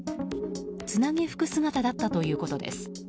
つなぎ服姿だったということです。